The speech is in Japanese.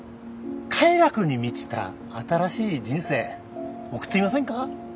快楽に満ちた新しい人生送ってみませんか？